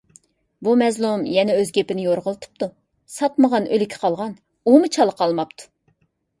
بۇ مەزلۇم يەنە ئۆز گېپىنى يورغىلىتىپتۇ. ساتمىغان ئۆلىكى قالغان، ئۇمۇ چالا قالماپتۇ.